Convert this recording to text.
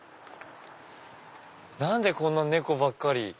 何でこんな猫ばっかり。